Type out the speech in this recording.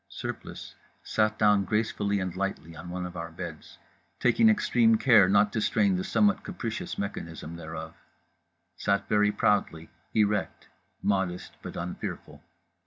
Surplice sat down gracefully and lightly on one of our beds, taking extreme care not to strain the somewhat capricious mechanism thereof; sat very proudly; erect; modest but unfearful.